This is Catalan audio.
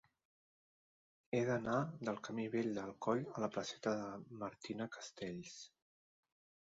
He d'anar del camí Vell del Coll a la placeta de Martina Castells.